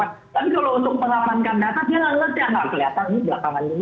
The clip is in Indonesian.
tapi kalau untuk menamankan data dia nggak ngerti